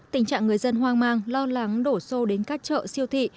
tình trạng người dân hoang mang lo lắng đổ xô đến các chợ siêu thị